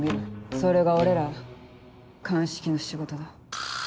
それが俺ら鑑識の仕事だ。